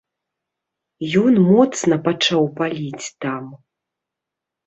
Ён моцна пачаў паліць там.